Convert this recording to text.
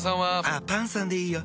あっパンさんでいいよ。